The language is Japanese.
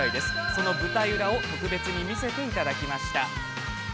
その舞台裏を特別に見せていただきました。